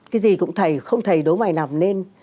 cái gì cũng thầy không thầy đố mày nằm lên